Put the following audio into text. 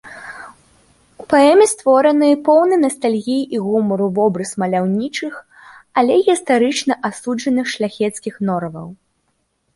У паэме створаны поўны настальгіі і гумару вобраз маляўнічых, але гістарычна асуджаных шляхецкіх нораваў.